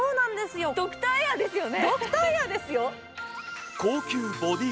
ドクターエアですよね。